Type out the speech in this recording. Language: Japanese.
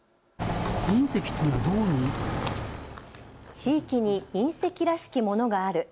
地域に隕石らしきものがある。